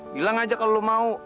bilang aja kalau lo mau